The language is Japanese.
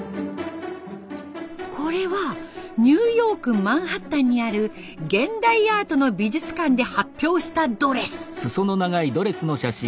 これはニューヨークマンハッタンにある現代アートの美術館で発表したドレス。